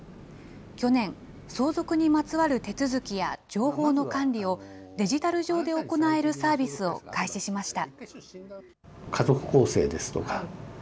去年、相続にまつわる手続きや情報の管理を、デジタル上で行えるサービスを開始しました。